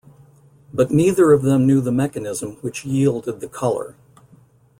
But neither of them knew the mechanism which yielded the colour.